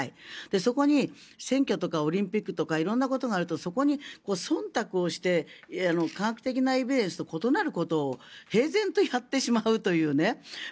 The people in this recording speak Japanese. そこに選挙とかオリンピックとか色んなことがあるとそこにそんたくをして科学的なエビデンスと異なることを平然とやってしまうというね。